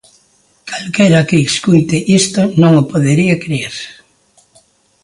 Calquera que escoite isto, non o podería crer.